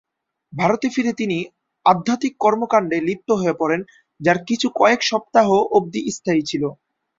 ভারতে ফিরে তিনি আধ্যাত্বিক কর্মকান্ডে লিপ্ত হয়ে পড়েন যার কিছু কয়েক সপ্তাহ অবধি স্থায়ী ছিল।